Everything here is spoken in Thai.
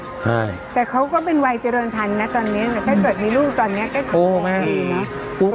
ใช่แต่เขาก็เป็นวัยเจริญพันธุ์นะตอนนี้ถ้าเกิดมีลูกตอนเนี้ยก็ดีนะ